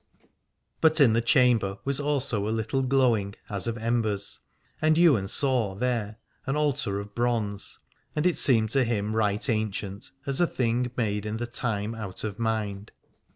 But in the chamber was also a little glow ing as of embers, and Ywain saw there an altar of bronze: and it seemed to him right ancient, as a thing made in the time out of mind.